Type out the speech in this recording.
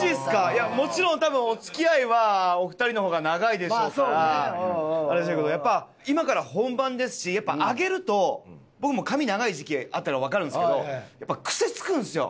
いやもちろん多分お付き合いはお二人の方が長いでしょうからあれでしょうけどやっぱ今から本番ですしやっぱ上げると僕も髪長い時期あったからわかるんですけど癖つくんですよ。